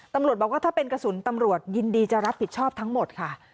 ตำรวจบอกว่าถ้าเป็นกระสุนตำรวจยินดีจะรับผิดชอบทั้งหมดค่ะ